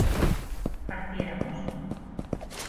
¿partiéramos?